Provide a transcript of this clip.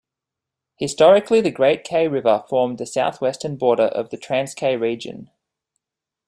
Historically the Great Kei River formed the southwestern border of the Transkei region.